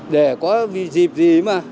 để có dịp gì mà